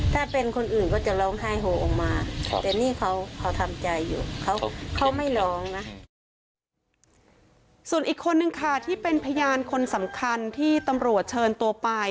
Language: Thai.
ถ้าเป็นคนอื่นก็จะร้องไห้โหลออกมาแต่นี่เขาเขาทำใจอยู่เขาเขาไม่ร้องนะส่วนอีกคนนึงค่ะที่เป็นพยานคนสำคัญที่ตำรวจเชิญตัวไป